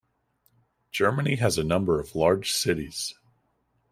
Germany has a number of large cities.